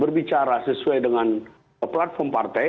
berbicara sesuai dengan platform partai